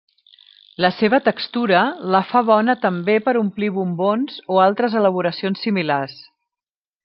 La seva textura la fa bona també per omplir bombons o altres elaboracions similars.